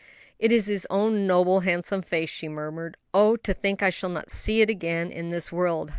"It is his own noble, handsome face," she murmured. "Oh, to think I shall not see it again in this world!